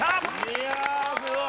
いやあすごい。